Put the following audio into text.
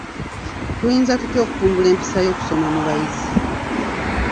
Tuyinza tutya okutumbula empisa y'okusoma mu bayizi?